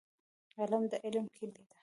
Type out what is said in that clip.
قلم د علم کیلي ده.